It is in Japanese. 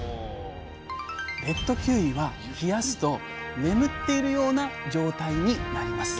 レッドキウイは冷やすと眠っているような状態になります。